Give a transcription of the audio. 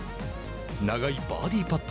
長いバーディーパット。